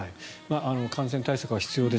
感染対策は必要です。